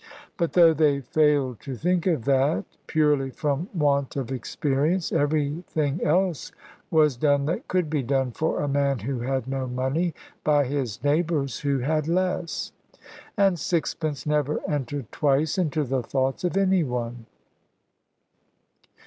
But though they failed to think of that purely from want of experience everything else was done that could be done for a man who had no money, by his neighbours who had less; and sixpence never entered twice into the thoughts of any one.